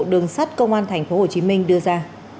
đường sát công an tp hcm đưa ra